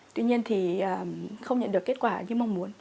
tuy nhiên thì không nhận được kết quả như mong muốn